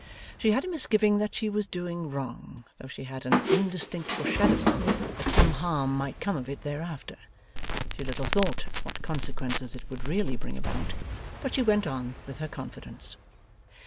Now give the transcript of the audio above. She had a misgiving that she was doing wrong though she had an indistinct foreshadowing that some harm might come of it thereafter, she little thought what consequences it would really bring about but she went on with her confidence.